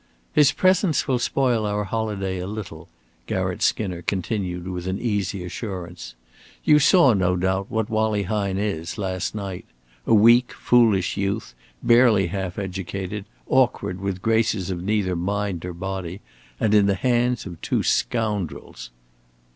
"His presence will spoil our holiday a little," Garratt Skinner continued with an easy assurance. "You saw, no doubt, what Wallie Hine is, last night a weak, foolish youth, barely half educated, awkward, with graces of neither mind nor body, and in the hands of two scoundrels."